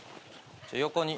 横に。